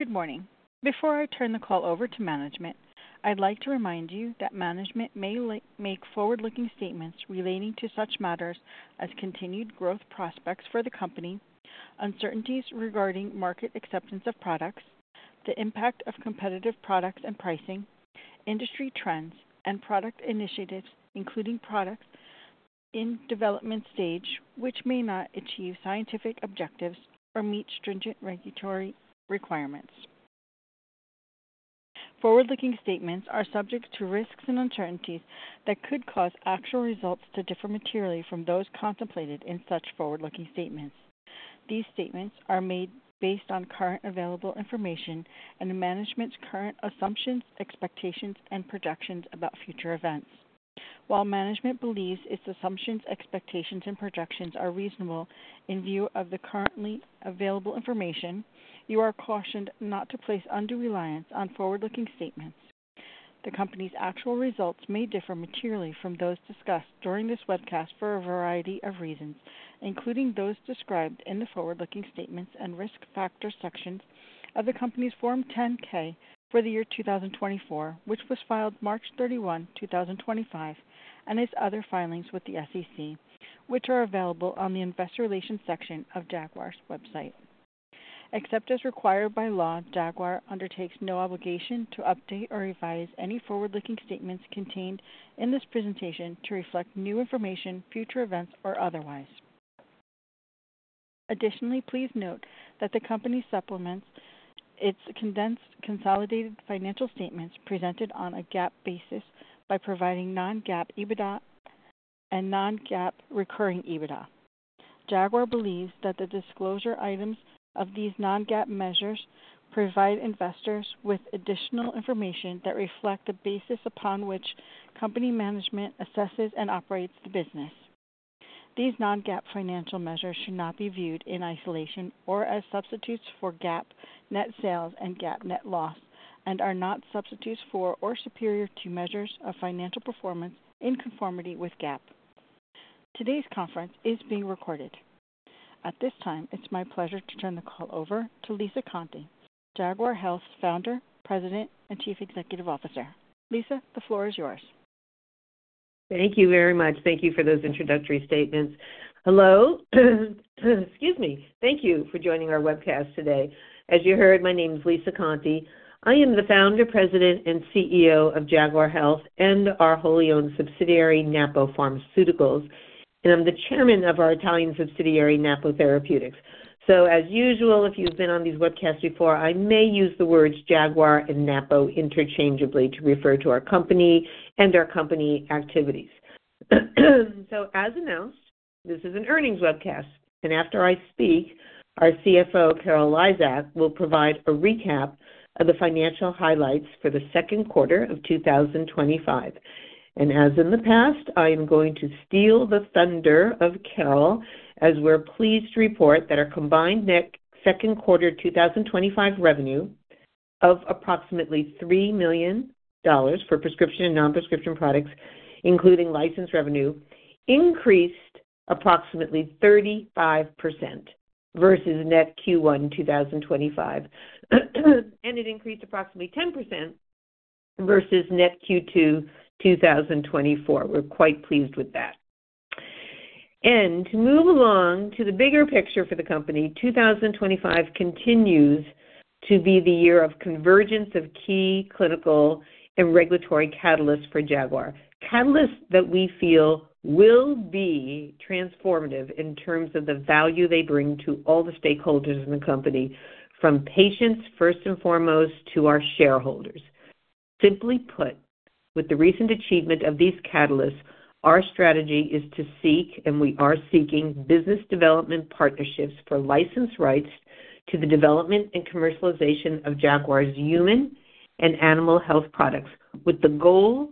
Good morning. Before I turn the call over to management, I'd like to remind you that management may make forward-looking statements relating to such matters as continued growth prospects for the company, uncertainties regarding market acceptance of products, the impact of competitive products and pricing, industry trends, and product initiatives, including products in development stage which may not achieve scientific objectives or meet stringent regulatory requirements. Forward-looking statements are subject to risks and uncertainties that could cause actual results to differ materially from those contemplated in such forward-looking statements. These statements are made based on current available information and management's current assumptions, expectations, and projections about future events. While management believes its assumptions, expectations, and projections are reasonable in view of the currently available information, you are cautioned not to place undue reliance on forward-looking statements. The company's actual results may differ materially from those discussed during this webcast for a variety of reasons, including those described in the forward-looking statements and risk factor sections of the company's Form 10-K for the year 2024, which was filed March 31, 2025, and its other filings with the SEC, which are available on the investor relations section of Jaguar's website. Except as required by law, Jaguar undertakes no obligation to update or revise any forward-looking statements contained in this presentation to reflect new information, future events, or otherwise. Additionally, please note that the company supplements its condensed consolidated financial statements presented on a GAAP basis by providing non-GAAP EBITDA and non-GAAP recurring EBITDA. Jaguar believes that the disclosure items of these non-GAAP measures provide investors with additional information that reflects the basis upon which company management assesses and operates the business. These non-GAAP financial measures should not be viewed in isolation or as substitutes for GAAP net sales and GAAP net loss, and are not substitutes for or superior to measures of financial performance in conformity with GAAP. Today's conference is being recorded. At this time, it's my pleasure to turn the call over to Lisa Conte, Jaguar Health's Founder, President, and Chief Executive Officer. Lisa, the floor is yours. Thank you very much. Thank you for those introductory statements. Hello. Excuse me. Thank you for joining our webcast today. As you heard, my name is Lisa Conte. I am the Founder, President, and CEO of Jaguar Health and our wholly owned subsidiary, Napo Pharmaceuticals. I'm the Chairman of our Italian subsidiary, Napo Therapeutics. As usual, if you've been on these webcasts before, I may use the words Jaguar and Napo interchangeably to refer to our company and our company activities. As a note, this is an ear=nings webcast. After I speak, our CFO, Carol Lizak, will provide a recap of the financial highlights for the second quarter of 2025. As in the past, I am going to steal the thunder of Carol, as we're pleased to report that our combined net second quarter 2025 revenue of approximately $3 million for prescription and non-prescription products, including licensed revenue, increased approximately 35% versus net Q1 2025. It increased approximately 10% versus net Q2 2024. We're quite pleased with that. To move along to the bigger picture for the company, 2025 continues to be the year of convergence of key clinical and regulatory catalysts for Jaguar. Catalysts that we feel will be transformative in terms of the value they bring to all the stakeholders in the company, from patients first and foremost to our shareholders. Simply put, with the recent achievement of these catalysts, our strategy is to seek, and we are seeking, business development partnerships for license rights to the development and commercialization of Jaguar's human and animal health products with the goal of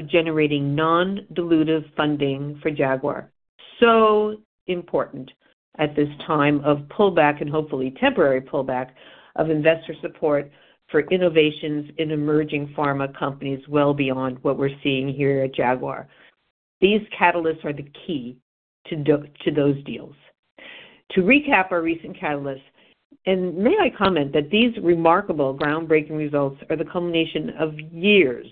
generating non-dilutive funding for Jaguar. This is so important at this time of pullback and hopefully temporary pullback of investor support for innovations in emerging pharma companies well beyond what we're seeing here at Jaguar. These catalysts are the key to those deals. To recap our recent catalysts, and may I comment that these remarkable groundbreaking results are the culmination of years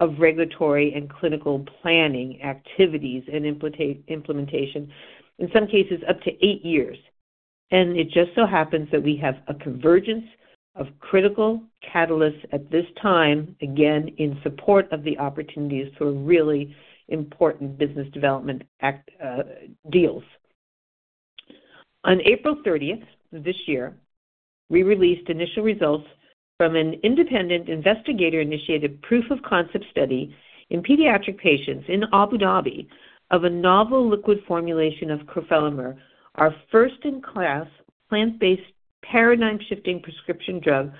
of regulatory and clinical planning activities and implementation, in some cases up to eight years. It just so happens that we have a convergence of critical catalysts at this time, again in support of the opportunities for really important business development deals. On April 30th, this year, we released initial results from an independent investigator-initiated proof-of-concept study in pediatric patients in Abu Dhabi of a novel liquid formulation of crofelemer, our first-in-class plant-based paradigm-shifting prescription drug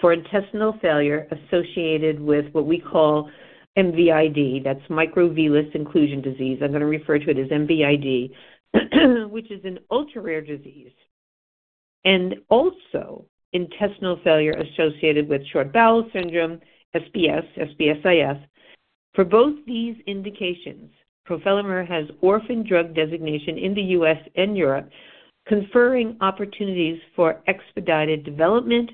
for intestinal failure associated with what we call MVID. That's microvillous inclusion disease. I'm going to refer to it as MVID, which is an ultra-rare disease, and also intestinal failure associated with short bowel syndrome, SBS, SBS-IS. For both these indications, crofelemer has orphan drug designation in the U.S. and Europe, conferring opportunities for expedited development,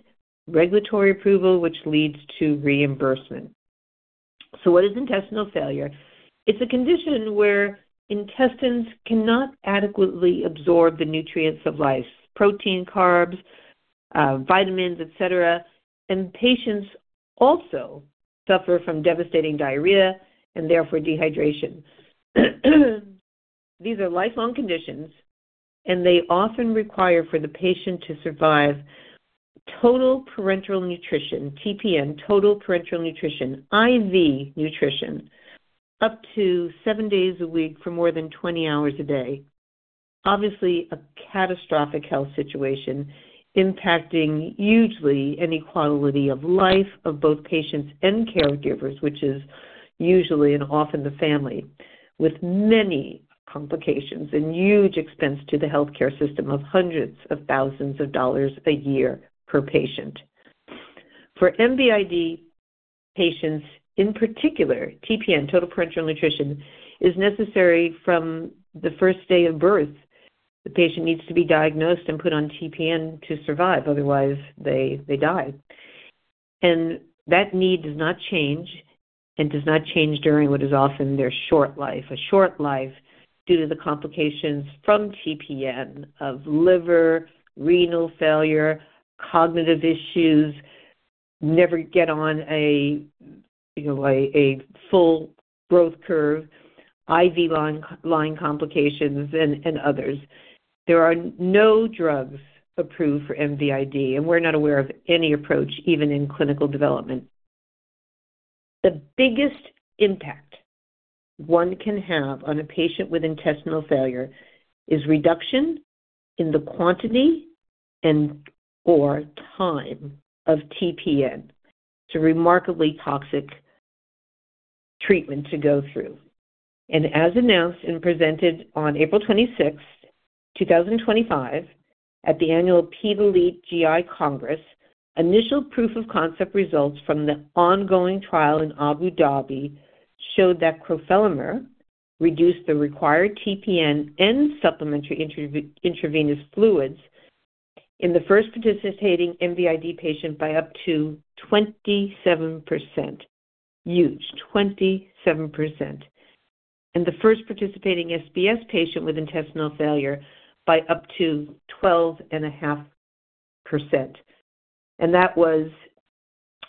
regulatory approval, which leads to reimbursement. What is intestinal failure? It's a condition where intestines cannot adequately absorb the nutrients of life, protein, carbs, vitamins, etc., and patients also suffer from devastating diarrhea and therefore dehydration. These are lifelong conditions, and they often require for the patient to survive total parenteral nutrition, TPN, total parenteral nutrition, IV nutrition, up to seven days a week for more than 20 hours a day. Obviously, a catastrophic health situation impacting hugely any quality of life of both patients and caregivers, which is usually and often the family, with many complications and huge expense to the healthcare system of hundreds of thousands of dollars a year per patient. For MVID patients in particular, TPN, total parenteral nutrition, is necessary from the first day of birth. The patient needs to be diagnosed and put on TPN to survive. Otherwise, they die. That need does not change and does not change during what is often their short life, a short life due to the complications from TPN of liver, renal failure, cognitive issues, never get on a full growth curve, IV line complications, and others. There are no drugs approved for MVID, and we're not aware of any approach, even in clinical development. The biggest impact one can have on a patient with intestinal failure is reduction in the quantity and/or time of TPN. It's a remarkably toxic treatment to go through. As announced and presented on April 26th, 2025, at the annual Elite Ped-GI Congress, initial proof-of-concept results from the ongoing trial in Abu Dhabi showed that crofelemer reduced the required TPN and supplementary intravenous fluids in the first participating MVID patient by up to 27%. Huge. 27%. The first participating SBS patient with intestinal failure by up to 12.5%. That was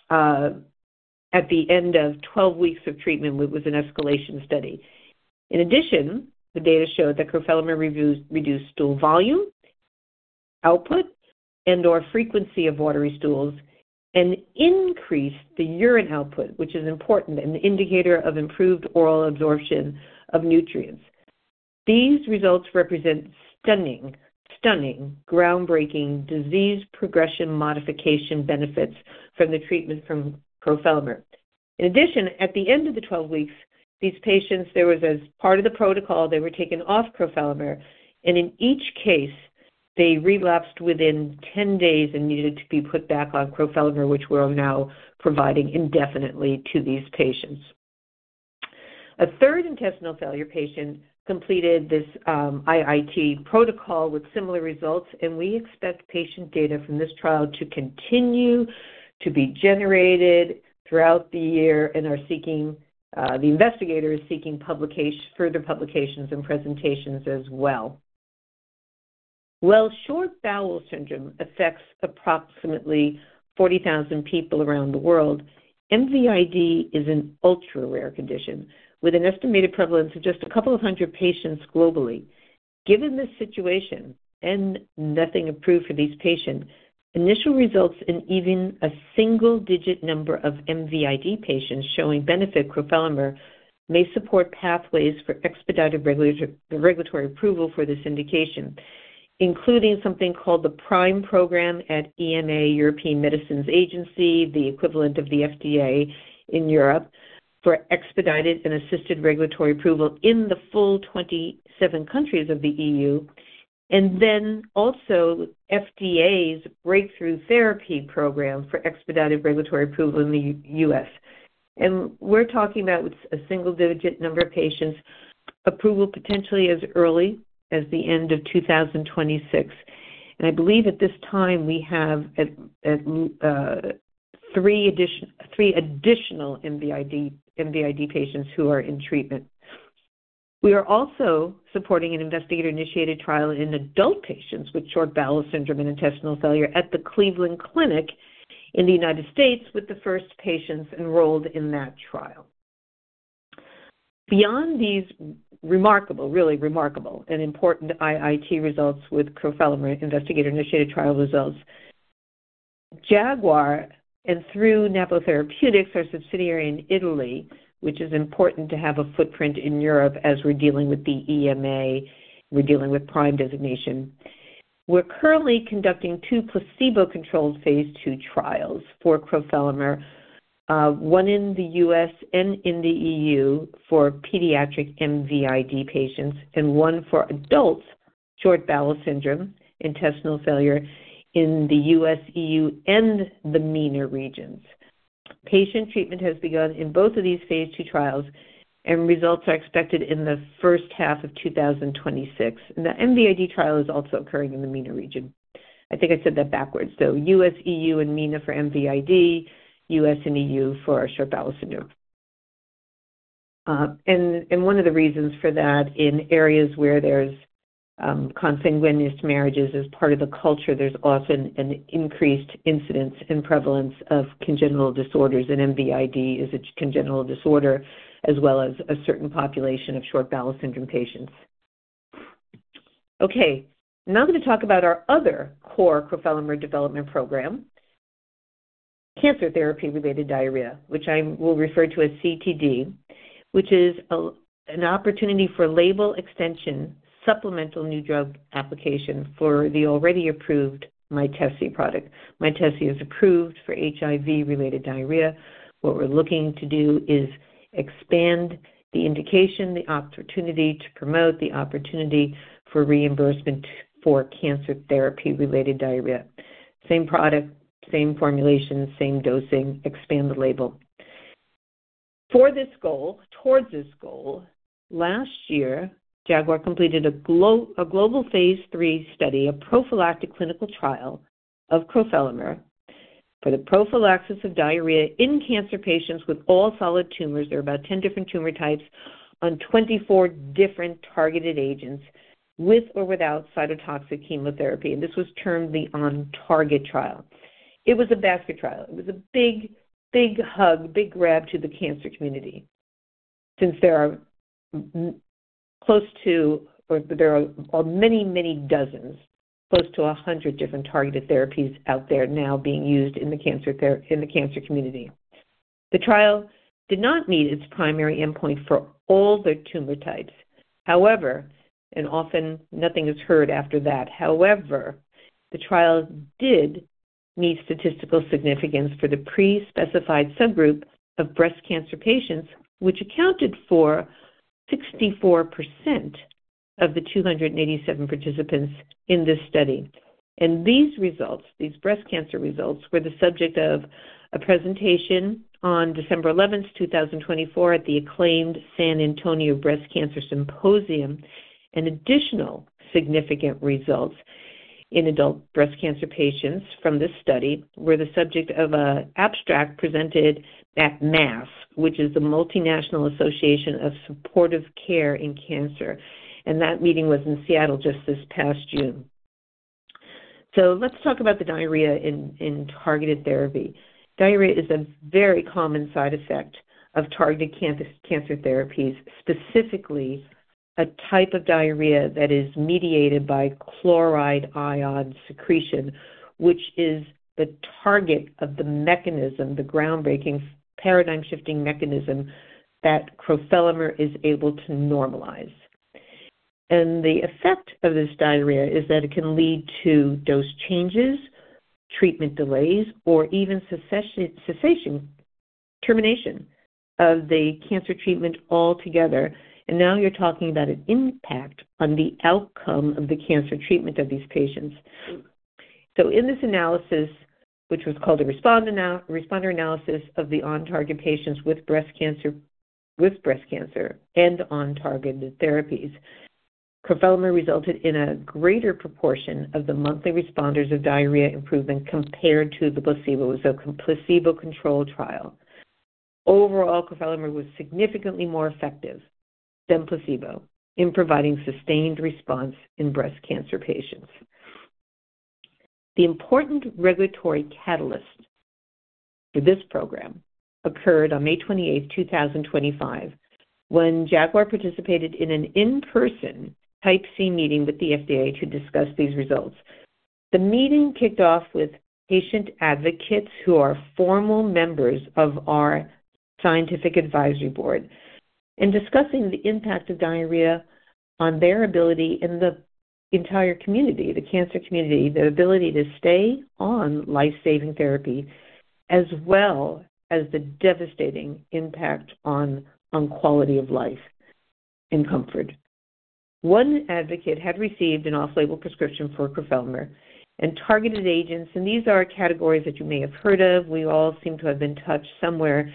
at the end of 12 weeks of treatment. It was an escalation study. In addition, the data showed that crofelemer reduced stool volume, output, and/or frequency of watery stools and increased the urine output, which is important and an indicator of improved oral absorption of nutrients. These results represent stunning, stunning, groundbreaking disease progression modification benefits from the treatment from crofelemer. At the end of the 12 weeks, these patients, as part of the protocol, were taken off crofelemer, and in each case, they relapsed within 10 days and needed to be put back on crofelemer, which we're now providing indefinitely to these patients. A third intestinal failure patient completed this IIT protocol with similar results, and we expect patient data from this trial to continue to be generated throughout the year. The investigator is seeking further publications and presentations as well. While short bowel syndrome affects approximately 40,000 people around the world, MVID is an ultra-rare condition with an estimated prevalence of just a couple of hundred patients globally. Given this situation and nothing approved for these patients, initial results in even a single-digit number of MVID patients showing benefit from crofelemer may support pathways for expedited regulatory approval for this indication, including something called the PRIME Program at EMA, European Medicines Agency, the equivalent of the FDA in Europe, for expedited and assisted regulatory approval in the full 27 countries of the E.U. Also, the FDA's Breakthrough Therapy Program for expedited regulatory approval in the U.S. We're talking about a single-digit number of patients approval potentially as early as the end of 2026. I believe at this time we have three additional MVID patients who are in treatment. We are also supporting an investigator-initiated trial in adult patients with short bowel syndrome and intestinal failure at the Cleveland Clinic in the United States, with the first patients enrolled in that trial. Beyond these remarkable, really remarkable and important IIT results with crofelemer, Jaguar and through Napo Therapeutics, our subsidiary in Italy, which is important to have a footprint in Europe as we're dealing with the EMA, we're dealing with PRIME designation. We're currently conducting two placebo-controlled phase II trials for crofelemer, one in the U.S. and in the E.U. for pediatric MVID patients and one for adult short bowel syndrome, intestinal failure in the U.S., E.U., and the MENA regions. Patient treatment has begun in both of these phase II trials, and results are expected in the first half of 2026. The MVID trial is also occurring in the MENA region. I think I said that backwards, though. U.S., E.U., and MENA for MVID, U.S. and E.U. for short bowel syndrome. One of the reasons for that, in areas where there's consanguineous marriages as part of the culture, there's often an increased incidence and prevalence of congenital disorders, and MVID is a congenital disorder as well as a certain population of short bowel syndrome patients. Now I'm going to talk about our other core crofelemer development program, cancer therapy-related diarrhea, which I will refer to as CTD, which is an opportunity for label extension, supplemental new drug application for the already approved Mytesi product. Mytesi is approved for HIV-related diarrhea. What we're looking to do is expand the indication, the opportunity to promote the opportunity for reimbursement for cancer therapy-related diarrhea. Same product, same formulation, same dosing, expand the label. For this goal, towards this goal, last year, Jaguar completed a global phase III study, a prophylactic clinical trial of crofelemer for the prophylaxis of diarrhea in cancer patients with all solid tumors. There are about 10 different tumor types on 24 different targeted agents with or without cytotoxic chemotherapy. This was termed the OnTarget trial. It was a basket trial. It was a big, big hug, big grab to the cancer community. Since there are close to, or there are many, many dozens, close to 100 different targeted therapies out there now being used in the cancer community. The trial did not meet its primary endpoint for all the tumor types. However, the trial did meet statistical significance for the pre-specified subgroup of breast cancer patients, which accounted for 64% of the 287 participants in this study. These results, these breast cancer results, were the subject of a presentation on December 11th, 2024, at the acclaimed San Antonio Breast Cancer Symposium. Additional significant results in adult breast cancer patients from this study were the subject of an abstract presented at MASCC, which is the Multinational Association of Supportive Care in Cancer. That meeting was in Seattle just this past June. Let's talk about the diarrhea in targeted therapy. Diarrhea is a very common side effect of targeted cancer therapies, specifically a type of diarrhea that is mediated by chloride ion secretion, which is the target of the mechanism, the groundbreaking paradigm-shifting mechanism that crofelemer is able to normalize. The effect of this diarrhea is that it can lead to dose changes, treatment delays, or even cessation, termination of the cancer treatment altogether. Now you're talking about an impact on the outcome of the cancer treatment of these patients. In this analysis, which was called a responder analysis of the OnTarget patients with breast cancer and OnTarget therapies, crofelemer resulted in a greater proportion of the monthly responders of diarrhea improvement compared to the placebo-controlled trial. Overall, crofelemer was significantly more effective than placebo in providing sustained response in breast cancer patients. The important regulatory catalyst for this program occurred on May 28, 2025, when Jaguar participated in an in-person Type C meeting with the FDA to discuss these results. The meeting kicked off with patient advocates who are formal members of our Scientific Advisory Board and discussing the impact of diarrhea on their ability in the entire community, the cancer community, their ability to stay on life-saving therapy, as well as the devastating impact on quality of life and comfort. One advocate had received an off-label prescription for crofelemer and targeted agents, and these are categories that you may have heard of. We all seem to have been touched somewhere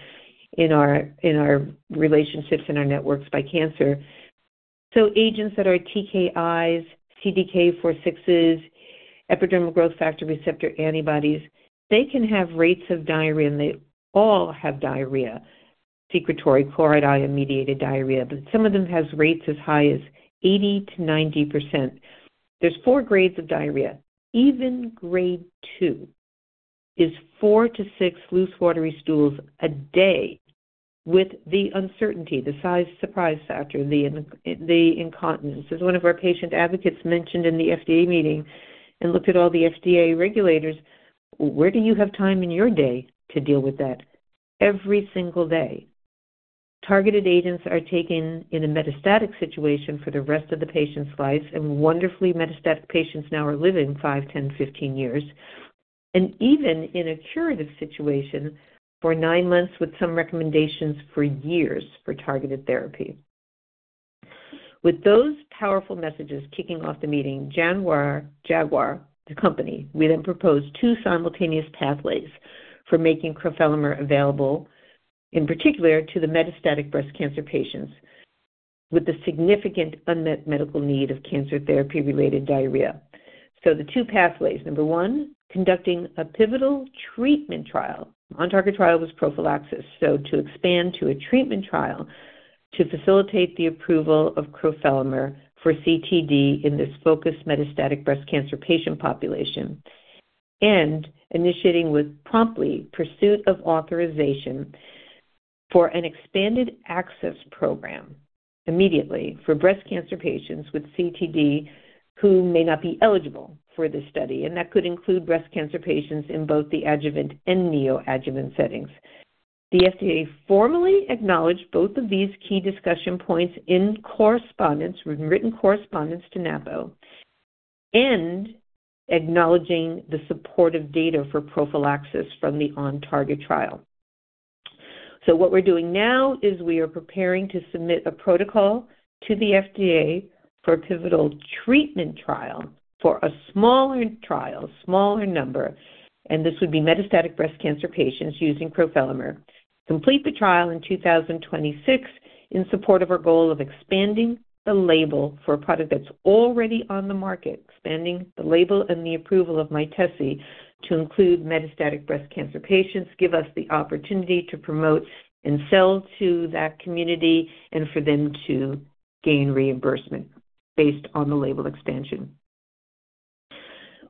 in our relationships and our networks by cancer. Agents that are TKIs, CDK4/6s, epidermal growth factor receptor antibodies, they can have rates of diarrhea, and they all have diarrhea, secretory chloride ion-mediated diarrhea, but some of them have rates as high as 80%-90%. There are four grades of diarrhea. Even grade two is four to six loose watery stools a day with the uncertainty, the size surprise factor, the incontinence. As one of our patient advocates mentioned in the FDA meeting and looked at all the FDA regulators, where do you have time in your day to deal with that? Every single day. Targeted agents are taken in a metastatic situation for the rest of the patient's life, and wonderfully metastatic patients now are living 5, 10, 15 years. Even in a curative situation for nine months with some recommendations for years for targeted therapy. With those powerful messages kicking off the meeting, Jaguar, the company, then proposed two simultaneous pathways for making crofelemer available, in particular to the metastatic breast cancer patients with the significant unmet medical need of cancer therapy-related diarrhea. The two pathways: number one, conducting a pivotal treatment trial. The OnTarget trial was prophylaxis. To expand to a treatment trial to facilitate the approval of crofelemer for CTD in this focused metastatic breast cancer patient population and initiating with promptly pursuit of authorization for an expanded access program immediately for breast cancer patients with CTD who may not be eligible for this study. That could include breast cancer patients in both the adjuvant and neoadjuvant settings. The FDA formally acknowledged both of these key discussion points in written correspondence to Napo and acknowledging the supportive data for prophylaxis from the OnTarget trial. What we're doing now is we are preparing to submit a protocol to the FDA for a pivotal treatment trial for a smaller trial, smaller number, and this would be metastatic breast cancer patients using crofelemer. Complete the trial in 2026 in support of our goal of expanding the label for a product that's already on the market. Expanding the label and the approval of Mytesi to include metastatic breast cancer patients gives us the opportunity to promote and sell to that community and for them to gain reimbursement based on the label expansion.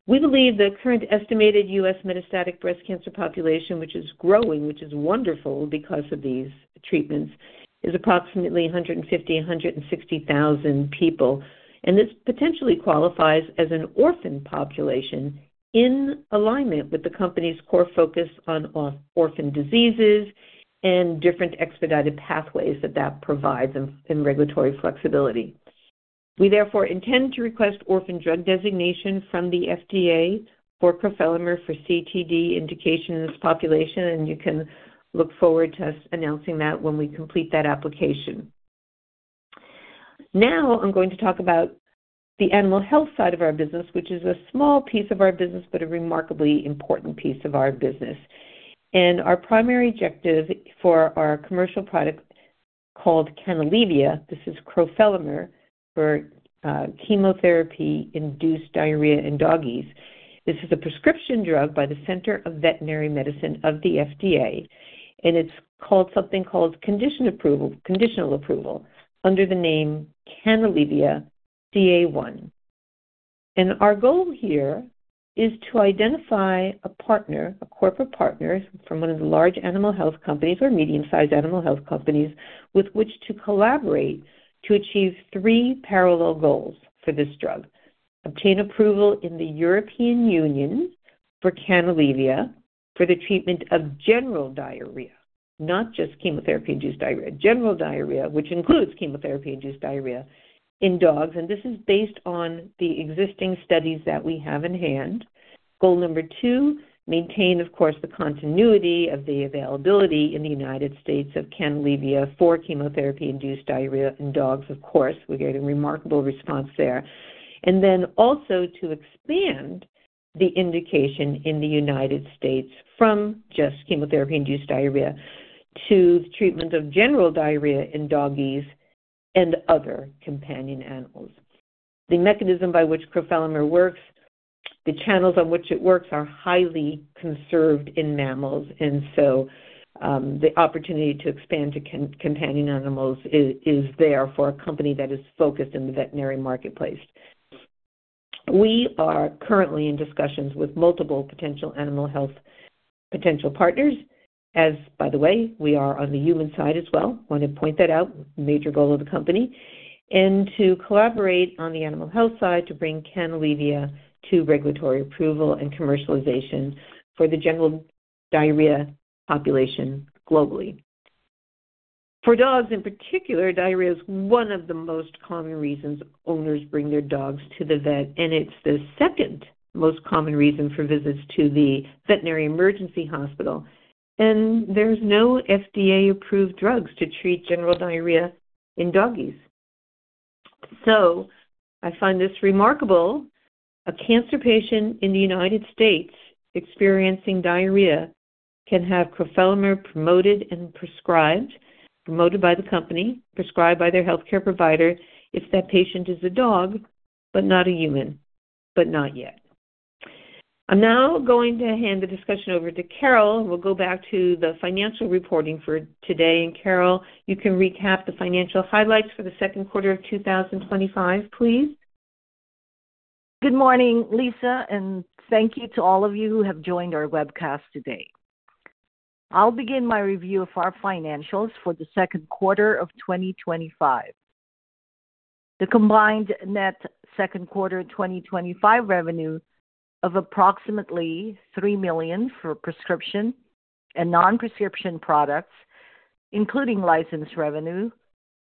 We believe the current estimated U.S. metastatic breast cancer population, which is growing, which is wonderful because of these treatments, is approximately 150,000, 160,000 people. This potentially qualifies as an orphan population in alignment with the company's core focus on orphan diseases and different expedited pathways that that provides in regulatory flexibility. We therefore intend to request orphan drug designation from the FDA for crofelemer for CTD indication in this population, and you can look forward to us announcing that when we complete that application. Now I'm going to talk about the animal health side of our business, which is a small piece of our business, but a remarkably important piece of our business. Our primary objective for our commercial product called Canalevia, this is crofelemer for chemotherapy-induced diarrhea in doggies. This is a prescription drug by the Center for Veterinary Medicine of the FDA, and it's called something called conditional approval under the name Canalevia-CA1. Our goal here is to identify a partner, a corporate partner from one of the large animal health companies or medium-sized animal health companies with which to collaborate to achieve three parallel goals for this drug: obtain approval in the European Union for Canalevia for the treatment of general diarrhea, not just chemotherapy-induced diarrhea, general diarrhea, which includes chemotherapy-induced diarrhea in dogs. This is based on the existing studies that we have in hand. Goal number two, maintain, of course, the continuity of the availability in the U.S. of Canalevia for chemotherapy-induced diarrhea in dogs. We're getting a remarkable response there. Also to expand the indication in the U.S. from just chemotherapy-induced diarrhea to the treatment of general diarrhea in doggies and other companion animals. The mechanism by which crofelemer works, the channels on which it works are highly conserved in mammals, and the opportunity to expand to companion animals is there for a company that is focused in the veterinary marketplace. We are currently in discussions with multiple potential animal health potential partners, as by the way, we are on the human side as well. I want to point that out, major goal of the company, and to collaborate on the animal health side to bring Canalevia to regulatory approval and commercialization for the general diarrhea population globally. For dogs in particular, diarrhea is one of the most common reasons owners bring their dogs to the vet, and it's the second most common reason for visits to the veterinary emergency hospital. There's no FDA-approved drugs to treat general diarrhea in doggies. I find this remarkable. A cancer patient in the U.S. experiencing diarrhea can have crofelemer promoted and prescribed, promoted by the company, prescribed by their healthcare provider if that patient is a dog but not a human, but not yet. I'm now going to hand the discussion over to Carol, and we'll go back to the financial reporting for today. Carol, you can recap the financial highlights for the second quarter of 2025, please. Good morning, Lisa, and thank you to all of you who have joined our webcast today. I'll begin my review of our financials for the second quarter of 2025. The combined net second quarter 2025 revenue of approximately $3 million for prescription and non-prescription products, including licensed revenue,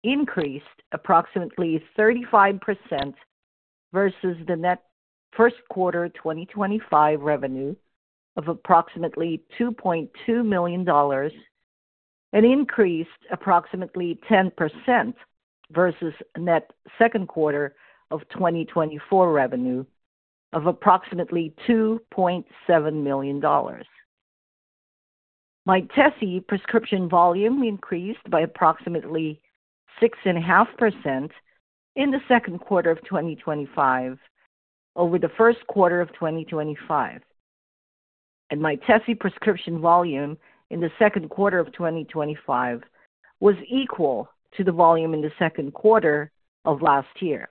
increased approximately 35% versus the net first quarter 2025 revenue of approximately $2.2 million and increased approximately 10% versus net second quarter of 2024 revenue of approximately $2.7 million. Mytesi prescription volume increased by approximately 6.5% in the second quarter of 2025 over the first quarter of 2025. Mytesi prescription volume in the second quarter of 2025 was equal to the volume in the second quarter of last year.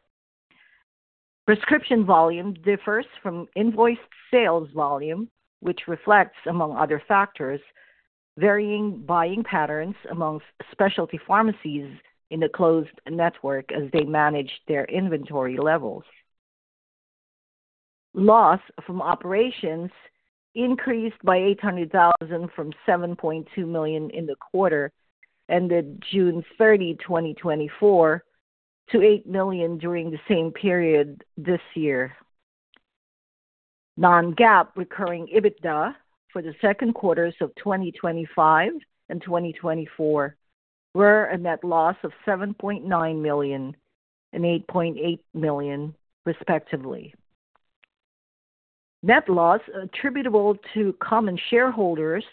Prescription volume differs from invoiced sales volume, which reflects, among other factors, varying buying patterns among specialty pharmacies in the closed network as they manage their inventory levels. Loss from operations increased by $800,000 from $7.2 million in the quarter ended June 30, 2024, to $8 million during the same period this year. Non-GAAP recurring EBITDA for the second quarters of 2025 and 2024 were a net loss of $7.9 million and $8.8 million, respectively. Net loss attributable to common shareholders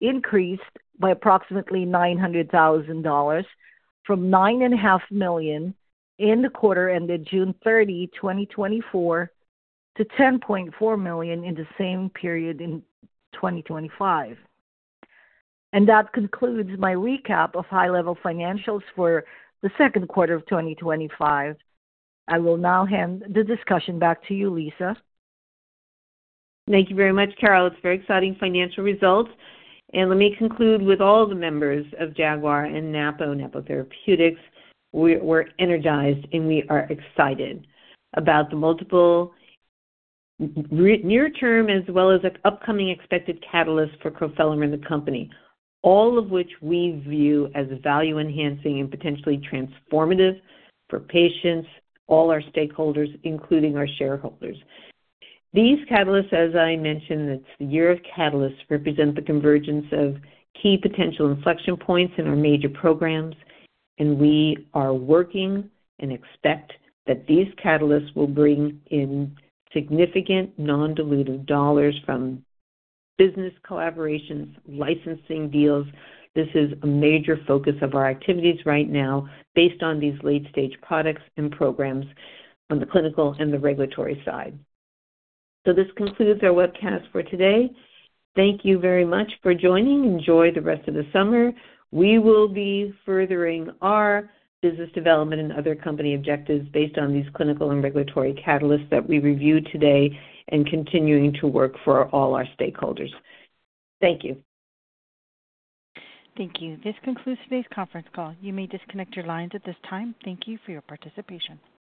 increased by approximately $900,000 from $9.5 million in the quarter ended June 30, 2024, to $10.4 million in the same period in 2025. That concludes my recap of high-level financials for the second quarter of 2025. I will now hand the discussion back to you, Lisa. Thank you very much, Carol. It's very exciting financial results. Let me conclude with all the members of Jaguar and Napo, Napo Therapeutics. We're energized and we are excited about the multiple near-term as well as upcoming expected catalysts for crofelemer in the company, all of which we view as value-enhancing and potentially transformative for patients, all our stakeholders, including our shareholders. These catalysts, as I mentioned, it's the year of catalysts, represent the convergence of key potential inflection points in our major programs. We are working and expect that these catalysts will bring in significant non-dilutive dollars from business collaborations and licensing deals. This is a major focus of our activities right now based on these late-stage products and programs on the clinical and the regulatory side. This concludes our webcast for today. Thank you very much for joining. Enjoy the rest of the summer. We will be furthering our business development and other company objectives based on these clinical and regulatory catalysts that we reviewed today and continuing to work for all our stakeholders. Thank you. Thank you. This concludes today's conference call. You may disconnect your lines at this time. Thank you for your participation.